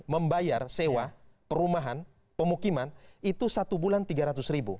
membayar sewa perumahan pemukiman itu satu bulan tiga ratus ribu